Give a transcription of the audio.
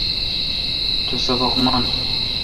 چو سبق من۔